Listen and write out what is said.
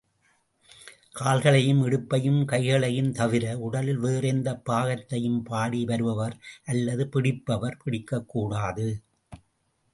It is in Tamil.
கால்களையும், இடுப்பையும், கைகளையும் தவிர, உடலில் வேறு எந்த பாகத்தையும் பாடி வருபவர் அல்லது பிடிப்பவர் பிடிக்கக்கூடாது.